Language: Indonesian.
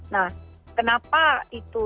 nah kenapa itu